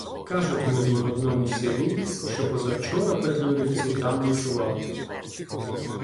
Кажуть мені в одному селі, що позавчора петлюрівці там ночували.